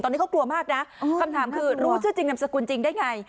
ตอนนี้เขากลัวมากนะคำถามคือรู้ชื่อจริงนามสกุลจริงได้ไง